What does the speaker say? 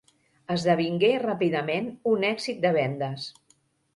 Esdevingué ràpidament un èxit de vendes.